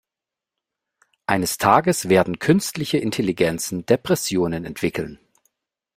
Eines Tages werden künstliche Intelligenzen Depressionen entwickeln.